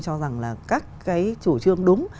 cho rằng là các cái chủ trương đúng